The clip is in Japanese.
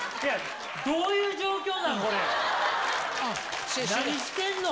どういう状況なの、これ。